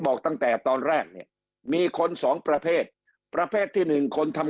บอกตั้งแต่ตอนแรกเนี่ยมีคนสองประเภทประเภทที่หนึ่งคนทำ